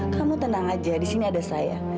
kamu tenang aja di sini ada saya